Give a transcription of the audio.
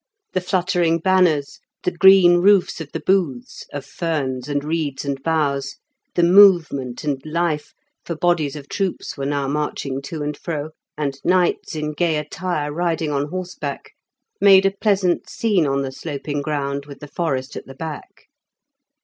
The fluttering banners, the green roofs of the booths (of ferns and reeds and boughs), the movement and life, for bodies of troops were now marching to and fro, and knights in gay attire riding on horseback, made a pleasant scene on the sloping ground with the forest at the back.